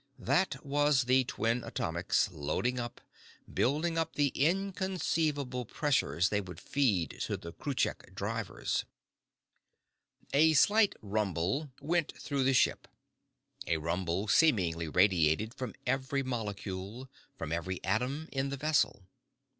That was the twin atomics, loading up, building up the inconceivable pressures they would feed to the Kruchek drivers. A slight rumble went through the ship, a rumble seemingly radiated from every molecule, from every atom, in the vessel.